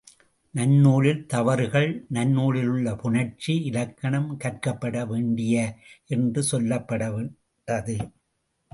நன்னூலின் தவறுகள் நன்னூலில் உள்ள புணர்ச்சி இலக்கணம் கற்கப்பட வேண்டியது என்று சொல்லப்பட்டது.